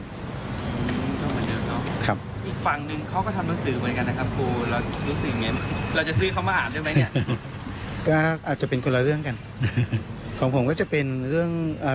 อีกฝั่งนึงเขาก็ทำหนังสือเหมือนกันนะครับครูเราจะซื้อคำมาอ่านได้ไหมเนี่ย